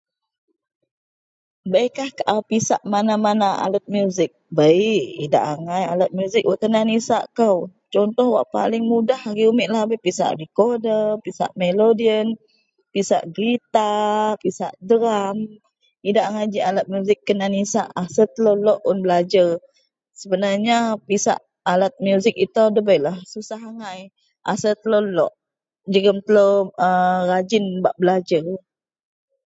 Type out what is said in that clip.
.beikah kaau pisak mana-mana alat musik, bei idak agai alat musik wak kena nisak kou, contoh wak paling mudah agei umek lahabei pisak decoder, pisak melidian, pisak guiter, pisak drum idak agai ji alat musik kena nisak asel telou lok un belajar, sebenarnya pisak alat musik itou debeilah susah agai, asel telou lok jegum telou a rajin bak belajer